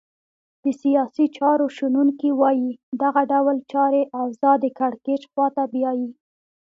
د سیاسي چارو شنونکي وایې دغه ډول چاري اوضاع د کرکېچ خواته بیایې.